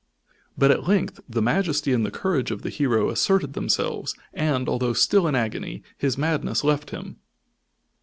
But at length the majesty and the courage of the hero asserted themselves, and, although still in agony, his madness left him.